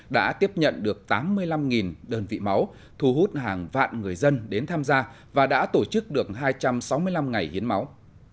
được tám mươi năm đơn vị máu thu hút hàng vạn người dân đến tham gia và đã tổ chức được hai trăm sáu mươi năm ngày hiến máu